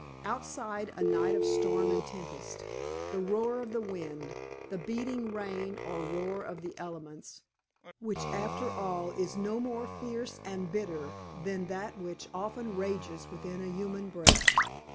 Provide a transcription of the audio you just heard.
Outside, a night of storm and tempest. The roar of the wind, the beating rain, or roar of the elements, which, after all, is no more fierce and bitter than that which often rages within a human breast.